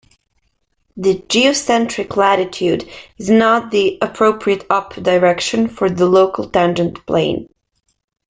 The "geocentric" latitude is "not" the appropriate "up" direction for the local tangent plane.